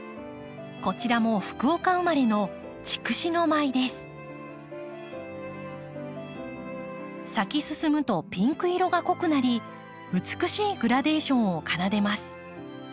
こちらも福岡生まれの咲き進むとピンク色が濃くなり美しいグラデーションを奏でます。